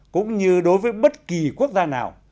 cũng như đối với bất kỳ quốc gia nào